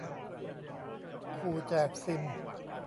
ขู่แจกซิม